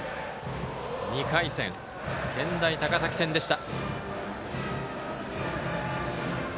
２回戦、健大高崎戦でした。